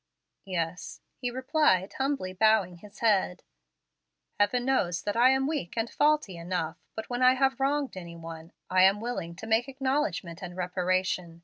"Yes," he replied, humbly bowing his head. "Heaven knows that I am weak and faulty enough, but when I have wronged any one, I am willing to make acknowledgment and reparation.